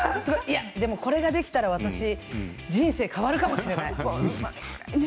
でも、これができたら私人生が変わるかもしれない。